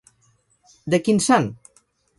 De quin sant?